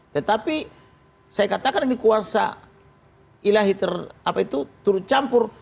tetapi saya katakan ini kuasa ilahi tercampur